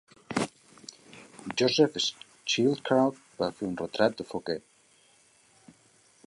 Joseph Schildkraut va fer un retrat de Fouquet.